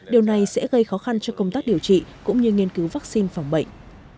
điều này sẽ gây khó khăn cho công tác điều trị cũng như nghiên cứu vaccine phòng bệnh